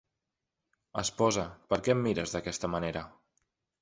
Esposa, per què em mires d'aquesta manera?